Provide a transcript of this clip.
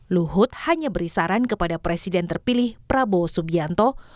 luhut hanya beri saran kepada presiden terpilih prabowo subianto